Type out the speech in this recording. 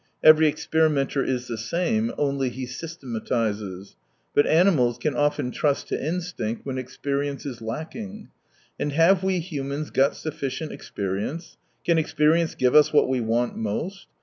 Every experimenter is the same — only he systematises. But animals can often trust to instinct when experience is lacking. And have we humans got sufficient experience ? Can experience give us what we want most